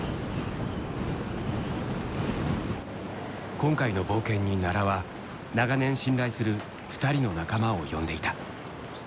今回の冒険に奈良は長年信頼する２人の仲間を呼んでいた。